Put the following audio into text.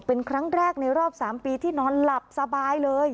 เป็นครั้งแรกในรอบ๓ปีที่นอนหลับสบายเลย